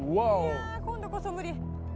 いや今度こそ無理。